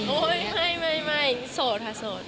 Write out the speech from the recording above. โอ๊ยไม่สดค่ะสด